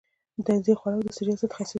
د اینځر خوراک د ستړیا ضد خاصیت لري.